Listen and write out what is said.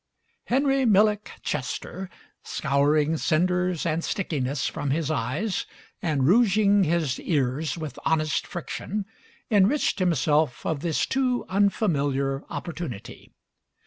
Henry Millick Chester, scouring cinders and stickiness from his eyes and rouging his ears with honest friction, enriched himself of this too unfamiliar opportunity.